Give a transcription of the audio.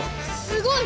すごい！